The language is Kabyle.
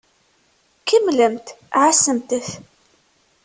Kemmlemt ɛassemt-t.